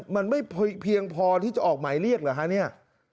มันไม่เพียงพอที่จะออกหมายเรียกเหรอคะเนี่ย